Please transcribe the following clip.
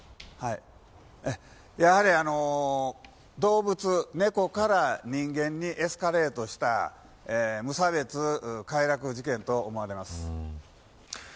やはり動物、猫から人間にエスカレートした無差別快楽事件と思われます。